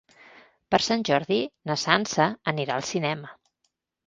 Per Sant Jordi na Sança anirà al cinema.